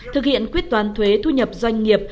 thực hiện quyết toán thuế thu nhập doanh nghiệp